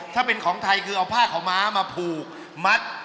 ถ้าเป็นของไทยคือเอาผ้าขาวม้ามาผูกมัด